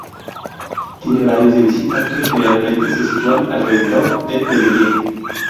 Tiene horarios de visita que generalmente se sitúan alrededor del mediodía.